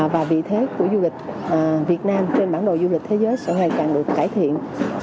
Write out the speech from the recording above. và vị thế của du lịch việt nam trên bản đồ du lịch thế giới sẽ ngày càng được cải thiện